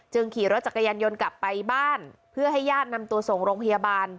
ขี่รถจักรยานยนต์กลับไปบ้านเพื่อให้ญาตินำตัวส่งโรงพยาบาล